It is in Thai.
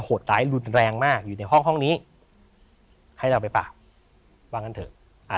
โหดร้ายรุนแรงมากอยู่ในห้องห้องนี้ให้เราไปปราบว่างั้นเถอะอ่า